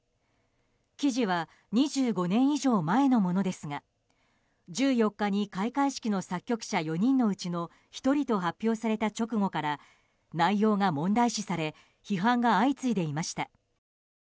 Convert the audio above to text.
記事は２５年以上前のものですが１４日に開会式の作曲者４人のうちの１人と発表された直後から内容が問題視され批判が相次いでいました。